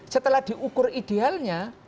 setelah diukur idealnya